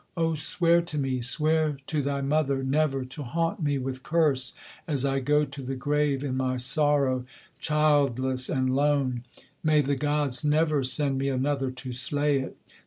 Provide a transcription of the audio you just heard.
Oh swear to me, swear to thy mother, Never to haunt me with curse, as I go to the grave in my sorrow, Childless and lone: may the gods never send me another, to slay it!